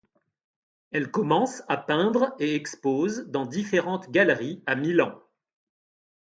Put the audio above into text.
Elle commence à peindre et expose dans différentes galeries à Milan.